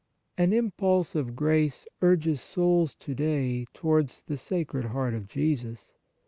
An impulse of grace urges souls to day towards the Sacred Heart of Jesus.